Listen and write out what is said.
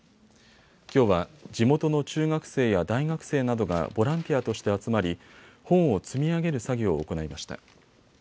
きょうは地元の中学生や大学生などがボランティアとして集まり本を積み上げる作業を行いました。